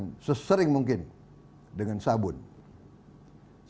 hal itu dikatakan menteri pertahanan prabowo subianto dalam acara puisi bela negara